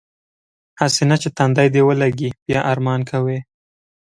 هسې نه چې تندی دې ولږي بیا ارمان کوې.